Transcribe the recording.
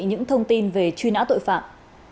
những thông tin về truy nã tội phạm